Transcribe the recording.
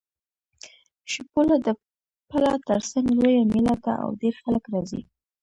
شپوله د پله تر څنګ لویه مېله ده او ډېر خلک راځي.